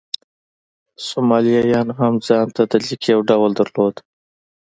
سومالیایانو هم ځان ته د لیک یو ډول درلود.